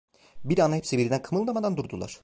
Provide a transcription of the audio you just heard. Bir an hepsi birden kımıldamadan durdular.